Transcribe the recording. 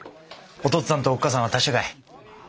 お父っつぁんとおっ母さんは達者かい？